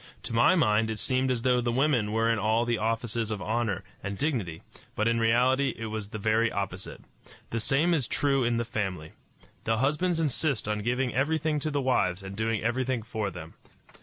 To my mind it seemed as though the women were in all the offices of honor and dignity, but in reality it was the very opposite. The same is true in the family. The husbands insist on giving everything to the wives and doing everything for them.